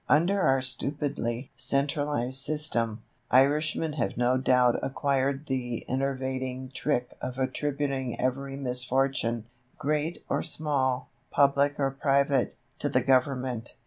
Under our stupidily [Transcriber: sic] centralized system, Irishmen have no doubt acquired the enervating trick of attributing every misfortune, great or small, public or private, to the Government.